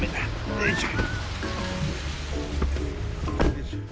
よいしょ。